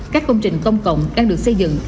các công trình công cộng đang được xây dựng